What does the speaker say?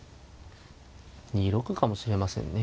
２六かもしれませんね。